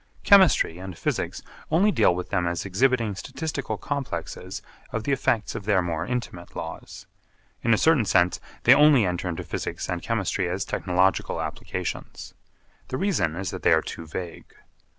Chemistry and Physics only deal with them as exhibiting statistical complexes of the effects of their more intimate laws. In a certain sense, they only enter into Physics and Chemistry as technological applications. The reason is that they are too vague.